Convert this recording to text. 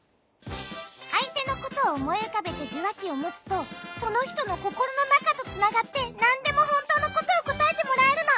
あいてのことをおもいうかべてじゅわきをもつとそのひとのココロのなかとつながってなんでもほんとうのことをこたえてもらえるの！